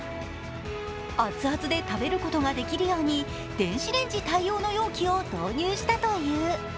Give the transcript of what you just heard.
アツアツで食べることができるように電子レンジ対応の容器を導入したという。